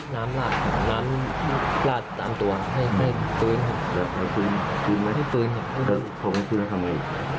อ๋อน้ำลาดมันน้ำลาดตามตัวให้เปลืองเด็กกับเขาเป็นผู้แล้วทำอะไร